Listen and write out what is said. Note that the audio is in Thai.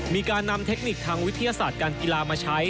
มีการนำเทคนิคทางวิทยาศาสตร์การกีฬามาใช้